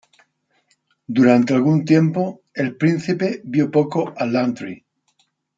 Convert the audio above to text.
Durante algún tiempo, el Príncipe vio poco a Langtry.